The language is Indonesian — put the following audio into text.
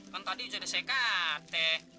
kan tadi udah disekat